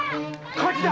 火事だ！